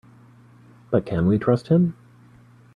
But can we trust him?